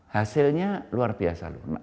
hasilnya luar biasa lho